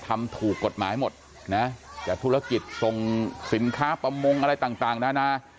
ทำถูกกฎหมายหมดนะจากธุรกิจส่งสินค้าประมงอะไรต่างนานา